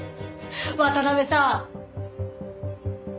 渡辺さん。